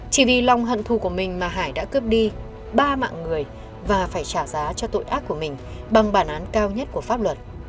chỉ vì lòng hận thù của mình mà hải đã cướp đi ba mạng người và phải trả giá cho tội ác của mình bằng bản án cao nhất của pháp luật